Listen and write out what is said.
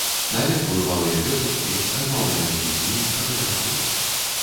Наведваю малыя вёсачкі, размаўляю з людзьмі, фатаграфую.